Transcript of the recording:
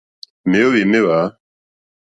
Mèóhwò méhwǎ.